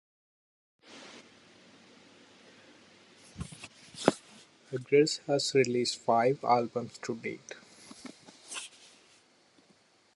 Ugress has released five albums to date.